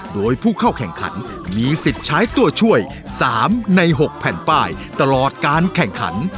โดยผู้เข้าแข่งขันมีสิทธิ์ใช้ตัวช่วย๓ใน๖แผ่นป้ายตลอดการแข่งขัน